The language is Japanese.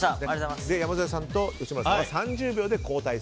山崎さんと吉村さんは３０秒で交代。